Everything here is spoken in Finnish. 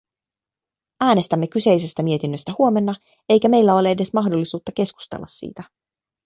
Äänestämme kyseisestä mietinnöstä huomenna, eikä meillä ole edes mahdollisuutta keskustella siitä.